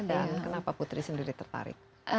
dan kenapa putri sendiri tertarik